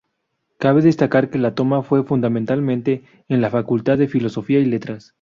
Cabe destacar que la toma fue fundamentalmente en la facultad de filosofía y letras.